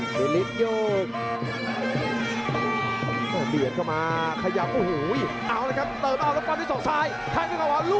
กล้าออกอาวุธจริงครับทะดานเจ้าเพชรสายฟ้าทิ้งด้วยมันขวาเดินด้วยทางซ้าย